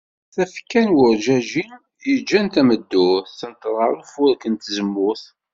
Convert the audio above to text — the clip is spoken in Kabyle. Tafekka n werǧeǧǧi yeǧǧan tameddurt tenteḍ ɣer ufurek n tzemmurt.